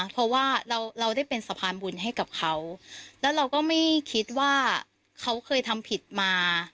เพราะว่าเราเราได้เป็นสะพานบุญให้กับเขาแล้วเราก็ไม่คิดว่าเขาเคยทำผิดมา